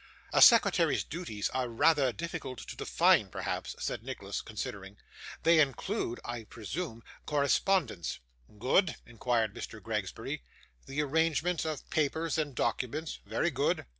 'A secretary's duties are rather difficult to define, perhaps,' said Nicholas, considering. 'They include, I presume, correspondence?' 'Good,' interposed Mr. Gregsbury. 'The arrangement of papers and documents?' 'Very good.